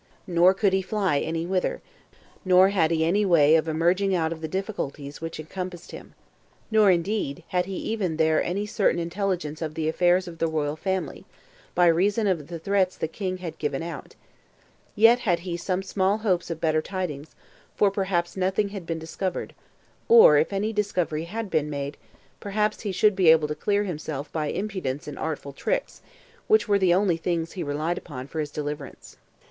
Nor could he now fly any whither, nor had he any way of emerging out of the difficulties which encompassed him; nor indeed had he even there any certain intelligence of the affairs of the royal family, by reason of the threats the king had given out: yet had he some small hopes of better tidings; for perhaps nothing had been discovered; or if any discovery had been made, perhaps he should be able to clear himself by impudence and artful tricks, which were the only things he relied upon for his deliverance.